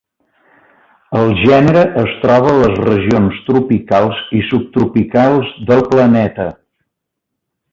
El gènere es troba a les regions tropicals i subtropicals del planeta.